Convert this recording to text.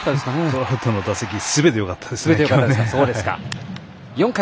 トラウトの打席すべてよかったですね、今日。